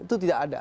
itu tidak ada